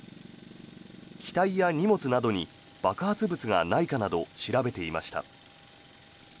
機体や荷物などに爆発物がないかなど調べていました。